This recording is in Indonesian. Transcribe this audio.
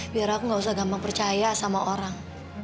biar aku nggak usah gampang percaya sama orang